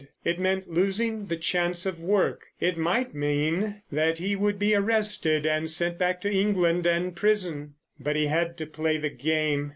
It meant losing the chance of work. It might mean that he would be arrested and sent back to England and prison! But he had to play the game!